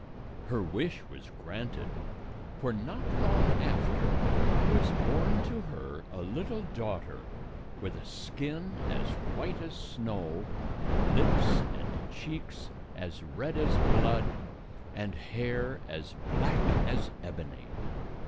" Her .wish was granted, for not long after was born to her a little daughter with a skin as white as snow, lips and cheeks as red as blood, and hair as black as ebony.